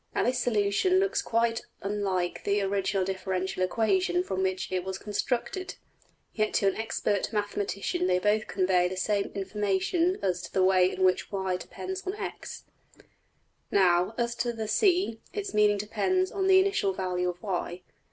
Now, this solution looks quite unlike the original differential equation from which it was constructed: yet to an expert mathematician they both convey the same information as to the way in which $y$~depends on~$x$. Now, as to the $C$, its meaning depends on the initial value of~$y$.